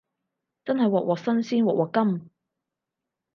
真係鑊鑊新鮮鑊鑊甘